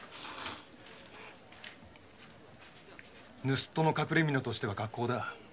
盗っ人の隠れみのとしてはかっこうだ。